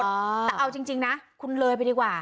แต่เอาจริงนะคุณเลยไปดีกว่า